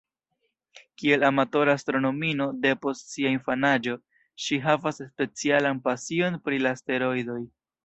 Kiel amatora astronomino depost sia infanaĝo, ŝi havas specialan pasion pri la asteroidoj.